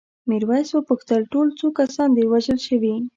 میرويس وپوښتل ټول څو کسان دي وژل شوي؟